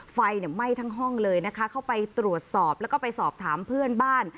ไฟไหม้ทั้งห้องเลยนะคะเข้าไปตรวจสอบแล้วก็ไปสอบถามเพื่อนบ้าน